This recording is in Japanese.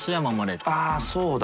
あっそうだ。